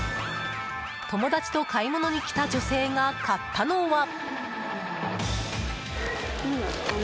友達と買い物に来た女性が買ったのは？